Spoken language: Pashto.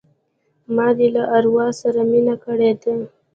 ما دي له اروا سره مینه کړې ده